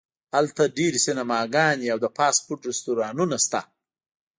هلته ډیر سینماګانې او د فاسټ فوډ رستورانتونه شته